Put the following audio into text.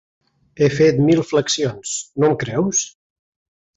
He fet mil flexions... no em creus?